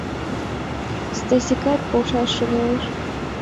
Стасикат полшаш шогалеш.